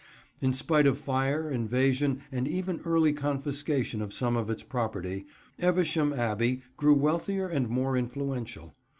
In spite of fire, invasion and even early confiscation of some of its property, Evesham Abbey grew wealthier and more influential.